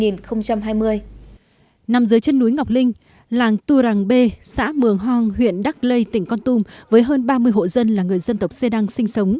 nằm dưới chân núi ngọc linh làng tu rằng b xã mường hong huyện đắc lây tỉnh con tum với hơn ba mươi hộ dân là người dân tộc xê đăng sinh sống